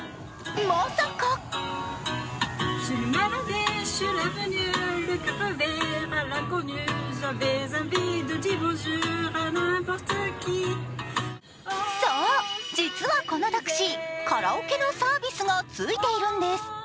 まさかそう、実はこのタクシー、カラオケのサービスが付いているんです。